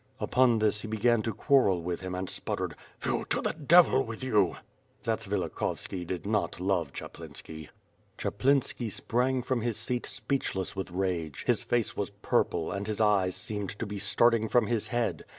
Upon this he began to quarrel with him and sputtered "Phew! to the devil with you!" Zatsvilikhovski did not love Chaplinski. ('haplinski sprang from his seat speechless with rage; his face was purple, and his eyes seemed to be starting from his head.